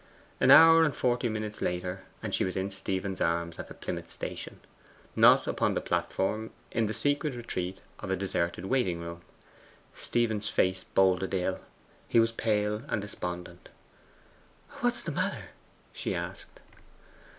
An hour and forty minutes later, and she was in Stephen's arms at the Plymouth station. Not upon the platform in the secret retreat of a deserted waiting room. Stephen's face boded ill. He was pale and despondent. 'What is the matter?' she asked.